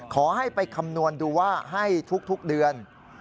ขอให้ไปคำนวณดูว่าให้ทุกเดือน